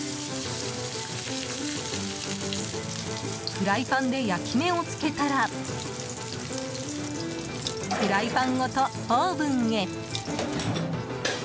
フライパンで焼き目をつけたらフライパンごと、オーブンへ。